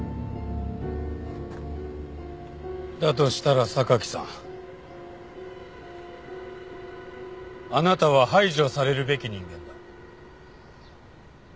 だとしたら榊さんあなたは排除されるべき人間だ。